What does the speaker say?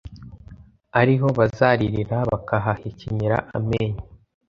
ariho bazaririra bakahahekenyera amenyo.»